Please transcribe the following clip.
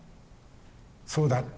そうだ。